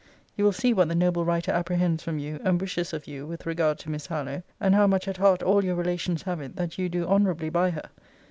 You will see what the noble writer apprehends from you, and wishes of you, with regard to Miss Harlowe, and how much at heart all your relations have it that you do honourably by her.